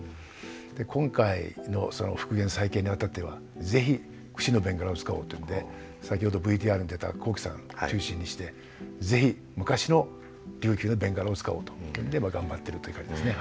で今回の復元再建にあたっては是非久志の弁柄を使おうっていって先ほどＶＴＲに出た幸喜さん中心にして是非昔の琉球の弁柄を使おうと今頑張ってるという感じですね。